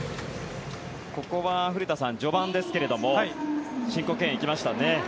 ここは古田さん、序盤ですが申告敬遠行きましたね。